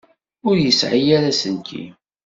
Ur yesɛi ara aselkim.